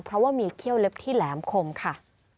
เพราะว่ามีเขี้ยวเล็บที่แหลมคมค่ะ